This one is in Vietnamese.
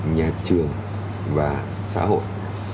nhà trường và xã hội